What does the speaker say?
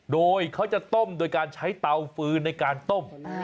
โดยเขาจะต้มโดยการใช้เตาฟืนในการต้ม